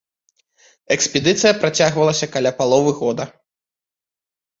Экспедыцыя працягвалася каля паловы года.